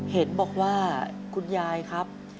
เห็นบอกว่าคุณยายครับ